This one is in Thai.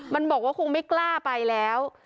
มันบอกว่าคงไม่กล้าไปแล้ว